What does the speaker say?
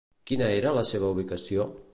Quina era la seva ubicació?